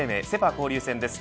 交流戦です。